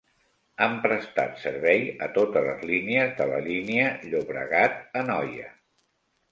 Han prestat servei a totes les línies de la línia Llobregat-Anoia.